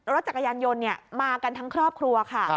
รถจักรยานยนต์มากันทั้งครอบครัวค่ะ